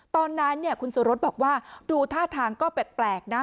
ตอนนั้นคุณสุรสบอกว่าดูท่าทางก็แปลกนะ